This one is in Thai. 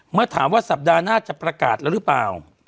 เมื่อถามว่าสัปดาห์หน้าจะประกาศแล้วหรือเปล่า